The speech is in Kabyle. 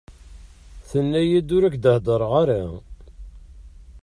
Tenna-iyi-d ur k-d-heddreɣ ara.